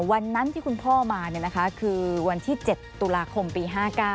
วันนั้นที่คุณพ่อมาคือวันที่๗ตุลาคมปี๕๙